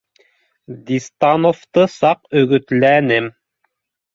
Дистановты саҡ өгөтлә нем